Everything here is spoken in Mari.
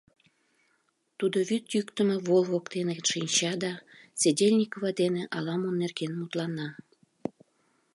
Тудо вӱд йӱктымӧ вол воктене шинча да Седельникова дене ала-мо нерген мутлана.